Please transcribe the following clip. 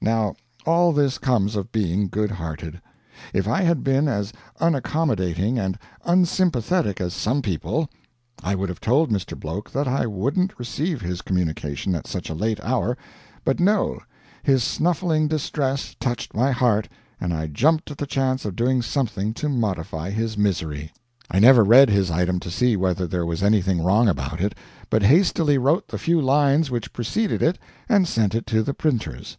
Now all this comes of being good hearted. If I had been as unaccommodating and unsympathetic as some people, I would have told Mr. Bloke that I wouldn't receive his communication at such a late hour; but no, his snuffling distress touched my heart, and I jumped at the chance of doing something to modify his misery. I never read his item to see whether there was anything wrong about it, but hastily wrote the few lines which preceded it, and sent it to the printers.